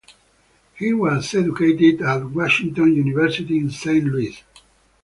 He was educated at Washington University in Saint Louis.